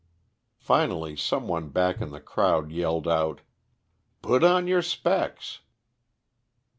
Finally some one back in the crowd yelled out: "Put on your specks."